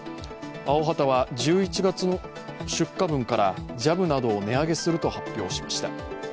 アヲハタは１１月の出荷分からジャムなどを値上げすると発表しました。